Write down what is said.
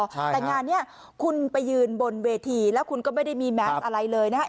แต่งานนี้คุณไปยืนบนเวทีแล้วคุณก็ไม่ได้มีแมสอะไรเลยนะครับ